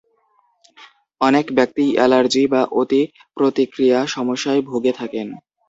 অনেক ব্যক্তিই অ্যালার্জি বা অতিপ্রতিক্রিয়া সমস্যায় ভুগে থাকেন।